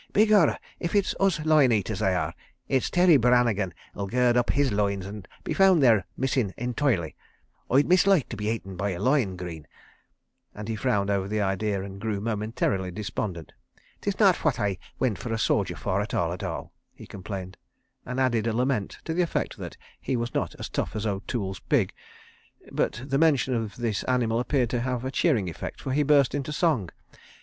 "Begorra—if ut's loin eaters they are, it's Terry Brannigan'll gird up his loins an' be found there missing entoirely. ... Oi'd misloike to be 'aten by a loin, Greene ..." and he frowned over the idea and grew momentarily despondent. "'Tis not phwat I wint for a sojer for, at all, at all," he complained, and added a lament to the effect that he was not as tough as O'Toole's pig. But the mention of this animal appeared to have a cheering effect, for he burst into song.